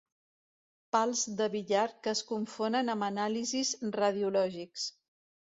Pals de billar que es confonen amb anàlisis radiològics.